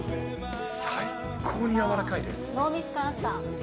最高に柔らかいです。